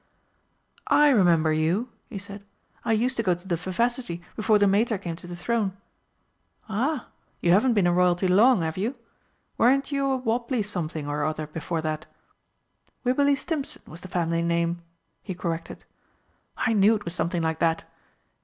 "I remember you," he said. "I used to go to the Vivacity before the Mater came to the throne." "Ah, you haven't been a Royalty long, have you? Weren't you a Wobbly something or other before that?" "Wibberley Stimpson was the family name," he corrected. "I knew it was something like that.